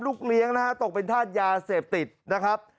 ลูกเลี้ยงตกเป็นทาสยาเสพติดนะครับ